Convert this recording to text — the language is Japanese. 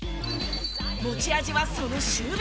持ち味はその守備。